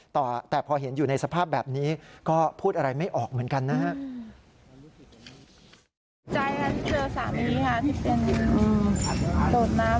แต่พอเห็นอยู่ในสภาพแบบนี้ก็พูดอะไรไม่ออกเหมือนกันนะครับ